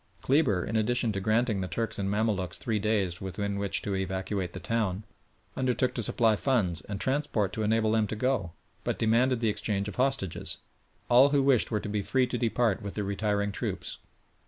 Kleber, in addition to granting the Turks and Mamaluks three days within which to evacuate the town, undertook to supply funds and transport to enable them to go, but demanded the exchange of hostages. All who wished were to be free to depart with the retiring troops.